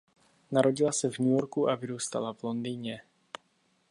Narodila se v New Yorku a vyrůstala v Londýně.